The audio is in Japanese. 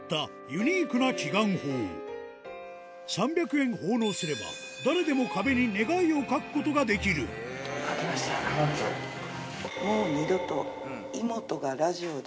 ３００円奉納すれば誰でも壁に願いを書くことができる何て書いたんですか？